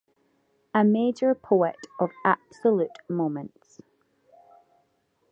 A major poet of absolute moments.